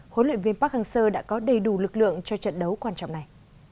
huấn luyện viên park hang seo đã có đầy đủ lực lượng cho trận đấu quan trọng này